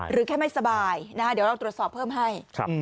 แค่ไม่สบายเดี๋ยวเราตรวจสอบเพิ่มให้